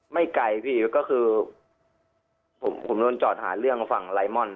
ไม่ไกลพี่ก็คือผมผมโดนจอดหาเรื่องฝั่งไลมอนด